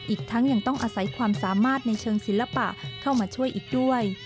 อีกทั้งยังต้องอาศัยความสามารถในเชิงศิลปะเข้ามาช่วยอีกด้วย